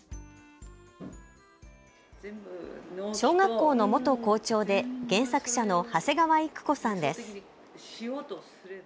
小学校の元校長で原作者の長谷川育子さんです。